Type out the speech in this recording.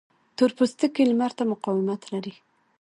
تور پوستکی لمر ته مقاومت لري